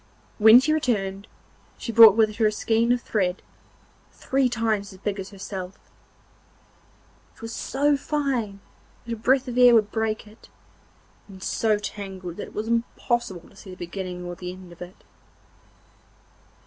When she returned she brought with her a skein of thread, three times as big as herself; it was so fine that a breath of air would break it, and so tangled that it was impossible to see the beginning or the end of it.